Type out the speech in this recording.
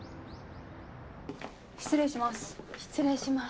失礼します。